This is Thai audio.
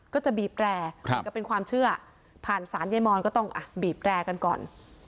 ก็จะบีบแรกก็เป็นความเชื่อผ่านสารยมรก็ต้องอ่ะบีบแรกกันก่อน